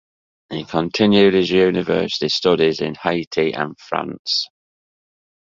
He continued his university studies in Haiti and in France.